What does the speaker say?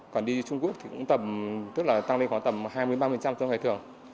còn đi trung quốc thì cũng tầm tức là tăng lên khoảng tầm hai mươi ba mươi so ngày thường